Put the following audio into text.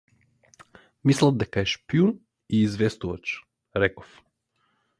Мислат дека е шпион и известувач, реков.